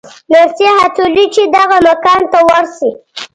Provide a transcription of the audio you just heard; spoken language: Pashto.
نرسې هڅولې چې دغه مکان ته ورشي.